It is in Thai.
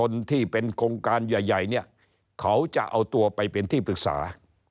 ในกรรมการใหญ่เขาจะเอาตัวไปเป็นที่ปรึกษา